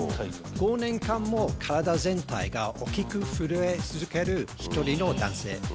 ５年間も体全体が大きく震え続ける一人の男性。